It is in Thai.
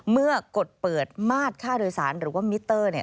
กดเปิดมาตรค่าโดยสารหรือว่ามิเตอร์